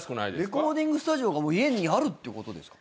レコーディングスタジオが家にあるってことですか？